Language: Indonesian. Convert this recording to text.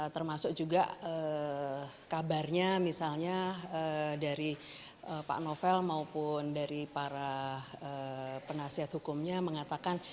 termasuk juga kabarnya misalnya dari pak novel maupun dari para penasihat hukumnya mengatakan